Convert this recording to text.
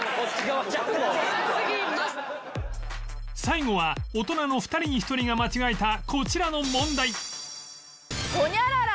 最後は大人の２人に１人が間違えたこちらの問題